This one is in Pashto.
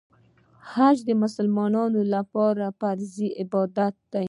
حج د مسلمانانو لپاره فرض عبادت دی.